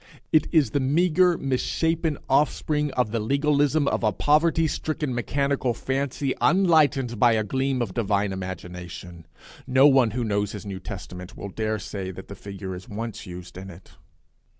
It is the meagre misshapen offspring of the legalism of a poverty stricken mechanical fancy, unlighted by a gleam of divine imagination. No one who knows his New Testament will dare to say that the figure is once used in it.